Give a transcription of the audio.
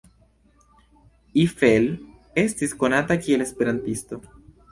Eiffel estis konata kiel esperantisto.